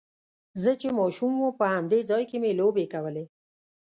زه چې ماشوم وم په همدې ځای کې مې لوبې کولې.